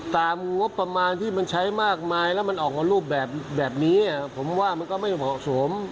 งบประมาณที่มันใช้มากมายแล้วมันออกมารูปแบบนี้ผมว่ามันก็ไม่เหมาะสม